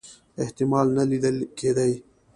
احتمال نه لیده کېدی.